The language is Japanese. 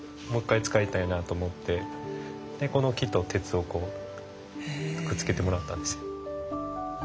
もう一回使いたいなと思ってこの木と鉄をくっつけてもらったんです。